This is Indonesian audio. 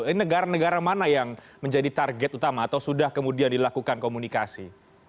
ini negara negara mana yang menjadi target utama atau sudah kemudian dilakukan komunikasi